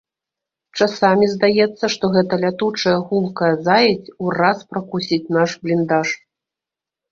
Часамі здаецца, што гэта лятучая гулкая заедзь ураз пракусіць наш бліндаж.